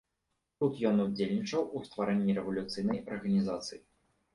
Тут ён удзельнічаў у стварэнні рэвалюцыйнай арганізацыі.